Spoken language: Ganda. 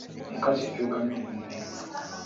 Omukazi yajooga nnyo munne.